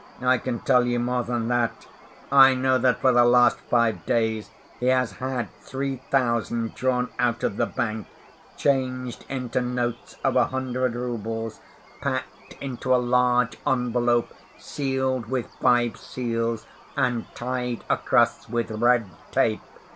I can tell you more than that. I know that for the last five days he has had three thousand drawn out of the bank, changed into notes of a hundred roubles, packed into a large envelope, sealed with five seals, and tied across with red tape.